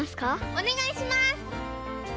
おねがいします！